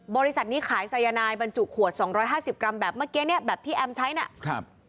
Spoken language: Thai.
บริษัทนี้ขายสายนายบรรจุขวดสองร้อยห้าสิบกรัมแบบเมื่อกี้เนี้ยแบบที่แอมใช้นะครับ